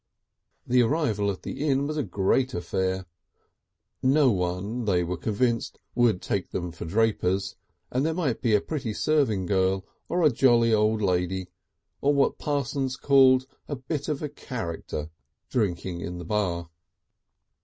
The arrival at the inn was a great affair. No one, they were convinced, would take them for drapers, and there might be a pretty serving girl or a jolly old lady, or what Parsons called a "bit of character" drinking in the bar.